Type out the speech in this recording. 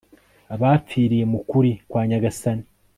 abapfiriye mu kuri kwa nyagasani